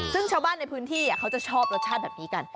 ซึ่งชาวบ้านในพื้นที่เขาจะชอบรสชาติแบบนี้กัน